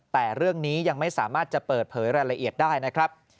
แต่เรื่องนี้ยังไม่สามารถจะเปิดเผยรายละเอียดได้นะครับ